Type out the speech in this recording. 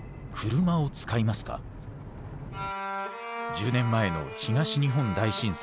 １０年前の東日本大震災。